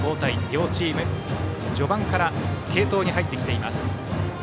両チーム、序盤から継投に入ってきています。